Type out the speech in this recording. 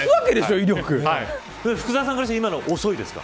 福澤さんからして今のは遅いですか。